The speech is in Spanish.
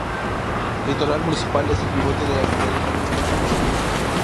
El litoral municipal es el pivote de la actividad económica en su conjunto.